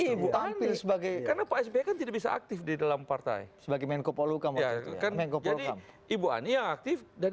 ibu ani karena pak sbe kan tidak bisa aktif di dalam partai sebagai menko polokam ibu ani yang aktif dan